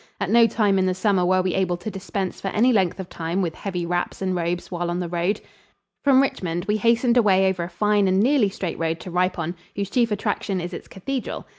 At no time in the summer were we able to dispense for any length of time with heavy wraps and robes while on the road. From Richmond we hastened away over a fine and nearly straight road to Ripon, whose chief attraction is its cathedral.